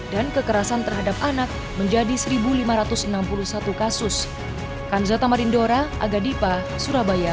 dan kekerasan terhadap anak menjadi seribu lima ratus enam puluh satu kasus